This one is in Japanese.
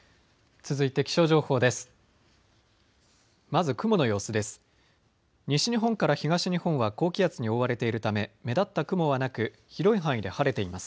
続いて気象情報です。